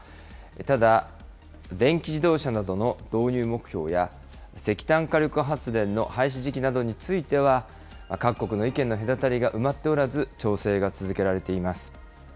ただ、電気自動車などの導入目標や、石炭火力発電の廃止時期などについては、各国の意見の隔たりが埋まっておらず、調整が続けられています。